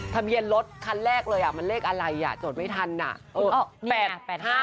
ทำเย็นรถคันแรกเลยอ่ะมันเลขอะไรอ่ะจดไม่ทันอ่ะเออแปดห้า